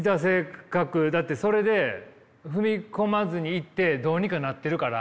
だってそれで踏み込まずにいってどうにかなってるから。